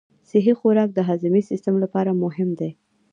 صحي خوراک د هاضمي سیستم لپاره مهم دی.